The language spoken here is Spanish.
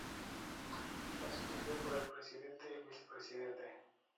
Constituido por el presidente, el vicepresidente.